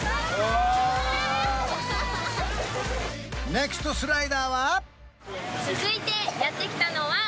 ネクストスライダーは？